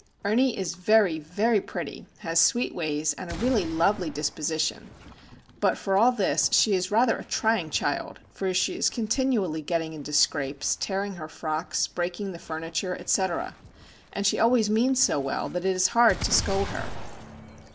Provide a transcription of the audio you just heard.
Ernie is very, very pretty, has sweet ways and a really lovely disposition; but, for all this, she is rather a trying child, for she is continually getting into scrapes, tearing her frocks, breaking the furniture, etc.,—and she always means so well that it is hard to scold her.